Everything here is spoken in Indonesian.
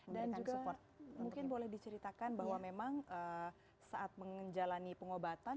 dan juga mungkin boleh diceritakan bahwa memang saat menjalani pengobatan